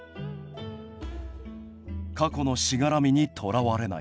過去のしがらみにとらわれない。